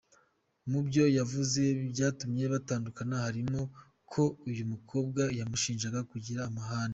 Mu byo yavuze byatumye batandukana harimo ko ‘uyu mukobwa yamushinjaga kugira amahane’.